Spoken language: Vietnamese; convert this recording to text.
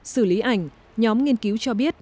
xử lý ảnh nhóm nghiên cứu cho biết